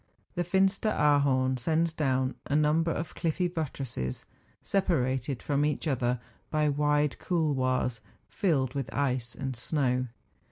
Tlie Fin¬ steraarhorn sends down a number of cliffy buttresses, separated from each other by wide couloirs filled with ice and snow.